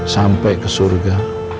sampai ke surga